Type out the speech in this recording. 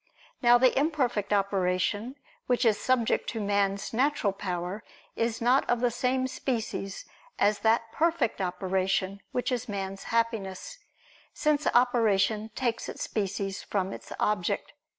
Now the imperfect operation, which is subject to man's natural power, is not of the same species as that perfect operation which is man's happiness: since operation takes its species from its object.